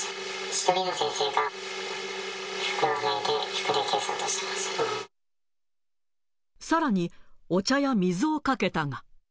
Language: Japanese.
１人の先生が服を脱いで、さらに、お茶や水をかけたが。